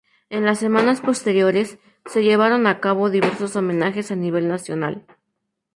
En las semanas posteriores, se llevaron a cabo diversos homenajes a nivel nacional.